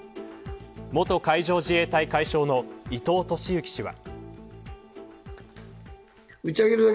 元海上自衛隊海将の伊藤俊幸氏は。